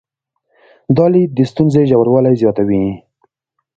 دا لید د ستونزې ژوروالي زیاتوي.